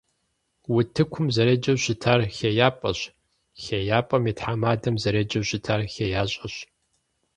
УтыкӀум зэреджэу щытар «ХеяпӀэщ», ХейяпӀэм и тхьэмадэм зэреджэу щытар «ХеящӀэщ».